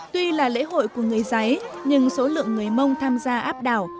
tuy là lễ hội của người giấy nhưng số lượng người mông tham gia áp đảo